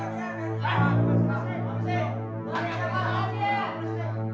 dia merupakan faktor mantan kepada kita